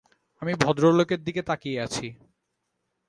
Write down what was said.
আমি ভদ্রলোকের দিকে তাকিয়ে আছি।